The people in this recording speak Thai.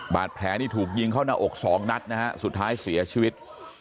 บาดแผลนี่ถูกยิงเข้าหน้าอกสองนัดนะฮะสุดท้ายเสียชีวิต